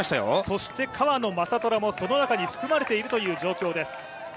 そして川野将虎もその中に含まれているという状況です。